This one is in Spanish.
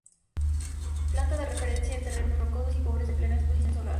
Planta de preferencia en terrenos rocosos, y pobres de plena exposición solar.